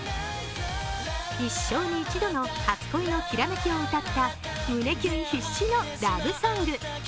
一生に一度の初恋のきらめきを歌った胸キュン必至のラブソング。